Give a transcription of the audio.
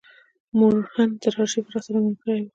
مرهون تر آرشیفه راسره ملګری و.